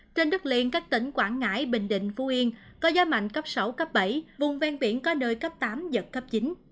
trên đất liền các tỉnh quảng ngãi bình định phú yên có gió mạnh cấp sáu cấp bảy vùng ven biển có nơi cấp tám giật cấp chín